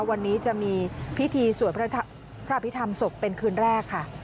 วันนี้จะมีพิธีสวดพระอภิษฐรรมศพเป็นคืนแรกค่ะ